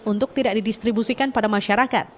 untuk tidak didistribusikan pada masyarakat